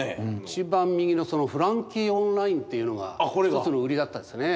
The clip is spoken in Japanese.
一番右の「フランキー・オンライン」っていうのが１つの売りだったですね。